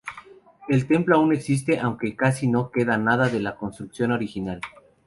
El templo aún existe aunque casi no queda nada de la construcción original.